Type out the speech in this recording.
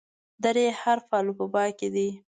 د "ر" حرف په الفبا کې دی.